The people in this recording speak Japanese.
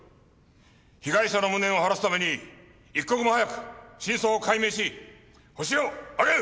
被害者の無念を晴らすために一刻も早く真相を解明しホシを挙げる！